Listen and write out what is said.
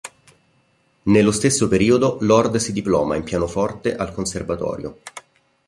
Nello stesso periodo Lord si diploma in pianoforte al conservatorio.